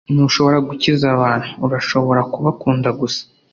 ntushobora gukiza abantu, urashobora kubakunda gusa.